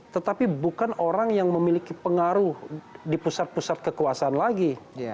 tetapi bukan orang yang memiliki pengaruh di pusat pusat kekuasaan lagi